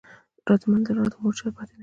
راته منزل راته مورچل پاتي دی